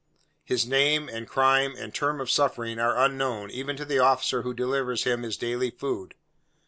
His name, and crime, and term of suffering, are unknown, even to the officer who delivers him his daily food.